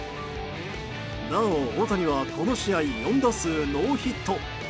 なお大谷は、この試合４打数ノーヒット。